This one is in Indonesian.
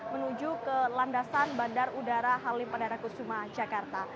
menuju ke landasan bandar udara halim perdana kusuma jakarta